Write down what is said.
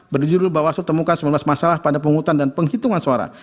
berjudul bawaslu temukan sembilan belas masalah pada penghutang dan penghitungan suara